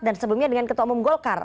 sebelumnya dengan ketua umum golkar